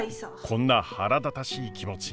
こんな腹立たしい気持ち